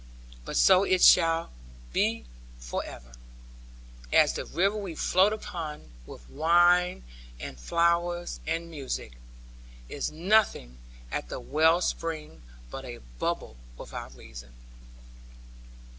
But so it shall for ever be. As the river we float upon (with wine, and flowers, and music,) is nothing at the well spring but a bubble without reason.